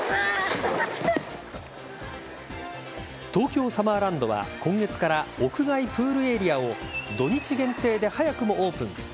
東京サマーランドは今月から屋外プールエリアを土日限定で早くもオープン。